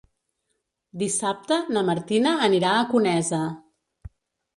Dissabte na Martina anirà a Conesa.